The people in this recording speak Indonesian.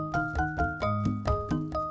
enggak seperti maravilas